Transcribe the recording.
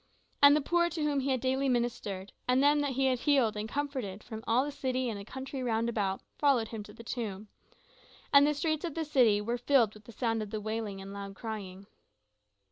And the poor to whom he had daily ministered, and them that he had healed and comforted from all the city and the country round about followed him to the tomb; and the streets of the city were filled with the sound of the wailing and loud crying.